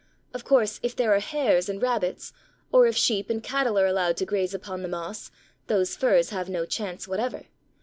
Of course, if there are hares and rabbits, or if sheep and cattle are allowed to graze upon the moss, those firs have no chance whatever.